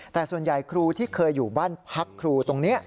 แต่ส่วนใหญ่ครูที่เคยอยู่บ้านพักครูตรงนี้